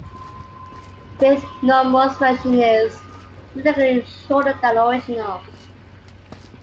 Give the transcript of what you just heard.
Faith No More's version is significantly shorter than the original.